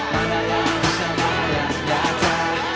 mana yang disalah yang nyata